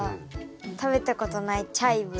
食べたことないチャイブで。